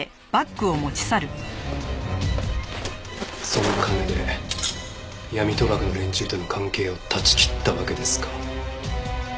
その金で闇賭博の連中との関係を断ち切ったわけですか。